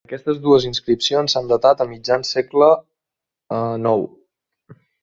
Aquestes dues inscripcions s'han datat a mitjan segle IX.